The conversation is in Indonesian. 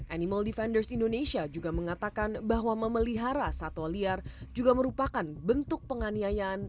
animal defenders indonesia juga mengatakan bahwa memelihara satwa liar juga merupakan bentuk penganiayaan